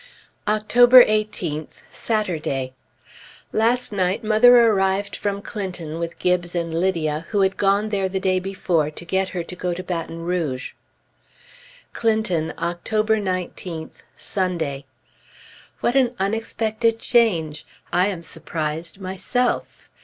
October 18th, Saturday. Last night mother arrived from Clinton with Gibbes and Lydia, who had gone there the day before to get her to go to Baton Rouge. CLINTON, October 19th, Sunday. What an unexpected change! I am surprised myself!